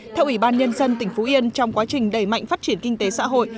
theo ủy ban nhân dân tỉnh phú yên trong quá trình đẩy mạnh phát triển kinh tế xã hội